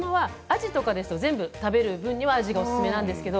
あじは全部食べる分におすすめです。